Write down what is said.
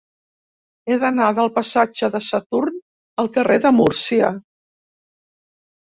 He d'anar del passatge de Saturn al carrer de Múrcia.